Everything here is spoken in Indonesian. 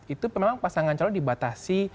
itu memang pasangan calon dibatasi